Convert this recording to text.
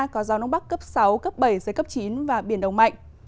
có gió nông bắc cấp sáu cấp bảy giới cấp chín và biển động mạnh